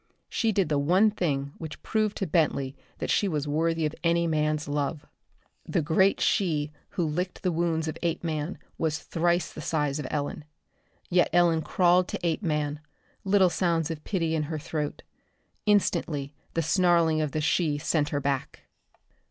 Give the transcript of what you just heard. She did the one thing which proved to Bentley that she was worthy of any man's love. The great she who licked the wounds of Apeman was thrice the size of Ellen. Yet Ellen crawled to Apeman, little sounds of pity in her throat. Instantly the snarling of the she sent her back.